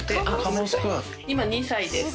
今２歳です。